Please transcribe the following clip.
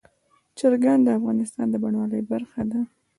چرګان د افغانستان د بڼوالۍ برخه ده.